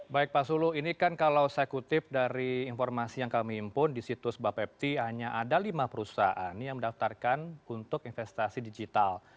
baik pak sulu ini kan kalau saya kutip dari informasi yang kami impun di situs bapepti hanya ada lima perusahaan yang mendaftarkan untuk investasi digital